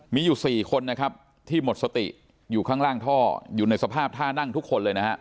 มีอยู่๔คนนะครับที่หมดสติอยู่ข้างล่างท่ออยู่ในสภาพท่านั่งทุกคนเลยนะฮะ